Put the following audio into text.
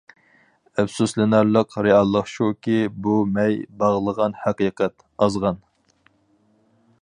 ئەپسۇسلىنارلىق رېئاللىق شۇكى، بۇ «مەي باغلىغان ھەقىقەت» ئازغان.